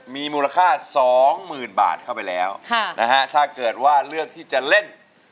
มีมูลค่าสองหมื่นบาทเข้าไปแล้วถ้าเกิดว่าเลือกที่จะเล่น